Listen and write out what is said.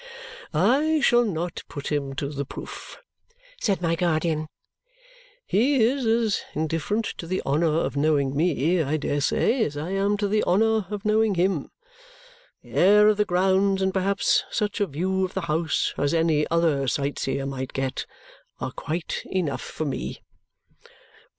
"I shall not put him to the proof," said my guardian. "He is as indifferent to the honour of knowing me, I dare say, as I am to the honour of knowing him. The air of the grounds and perhaps such a view of the house as any other sightseer might get are quite enough for me."